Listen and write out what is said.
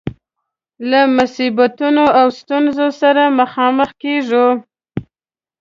له مصیبتونو او ستونزو سره مخامخ کيږو.